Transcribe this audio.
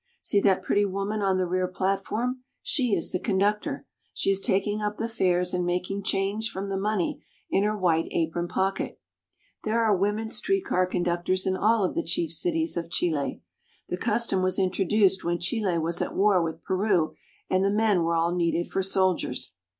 See that pretty woman on the rear platform. She is the conductor. She is taking up the fares and making change from the money in her white apron pocket. There are women street car con ductors in all of the chief cities of Chile. The custom was introduced when Chile was at war with Peru and the men were all needed for soldiers.